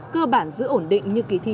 cơ bản giữ ổn định như kỳ thi